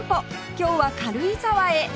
今日は軽井沢へ